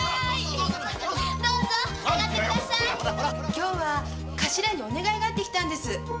今日は頭にお願いがあって来たんです。